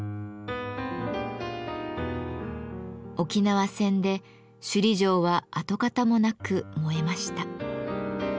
沖縄戦で首里城は跡形もなく燃えました。